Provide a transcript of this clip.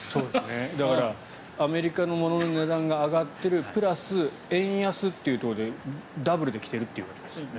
だから、アメリカのものの値段が上がってるプラス円安というところでダブルで来ているということですね。